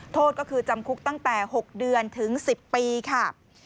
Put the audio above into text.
โทษก็คือจำคุกตั้งแต่๖เดือนถึง๑๐ปีค่ะ